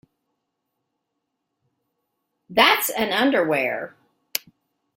That's an underwear.